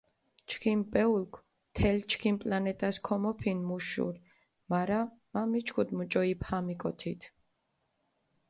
ჩქიმ პეულქ თელ ჩქიმ პლანეტას ქომოფინჷ მუშ შური, მარა მა მიჩქუდჷ მუჭო იბჰამიკო თით.